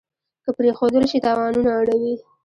که پرېښودل شي تاوانونه اړوي.